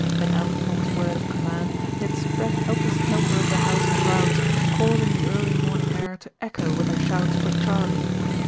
At Alf Pond's word of command they had spread helter skelter over the house and grounds, causing the early morning air to echo with their shouts for "Charley."